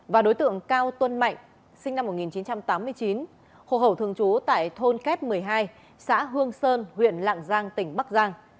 và đối tượng cao tuân mạnh sinh năm một nghìn chín trăm tám mươi chín hồ hậu thường trú tại thôn kép một mươi hai xã hương sơn huyện lạng giang tỉnh bắc giang